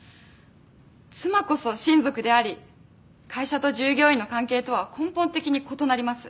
妻こそ親族であり会社と従業員の関係とは根本的に異なります。